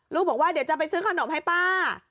บอกว่าเดี๋ยวจะไปซื้อขนมให้ป้า